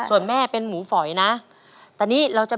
วิ่งเสิร์ฟ